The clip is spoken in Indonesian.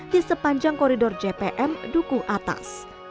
di sepanjang koridor jpm duku atas